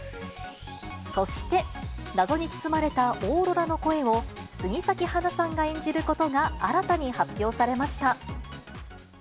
そして、謎に包まれたオーロラの声を杉咲花さんが演じることが新たに発表されました。